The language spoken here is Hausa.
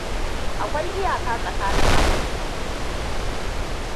Akwai iyaka tsakanin Amurka da Meziko.